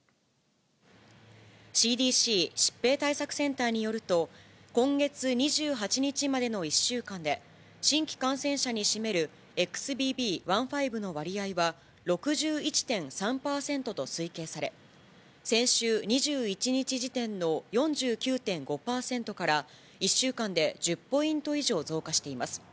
ＣＤＣ・疾病対策センターによると、今月２８日までの１週間で、新規感染者に占めるＸＢＢ１．５の割合は６１．３％と推計され、先週２１日時点の４９．５％から、１週間で１０ポイント以上増加しています。